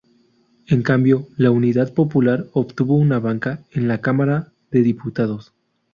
En cambio, la Unidad Popular obtuvo una banca en la Cámara de Diputados.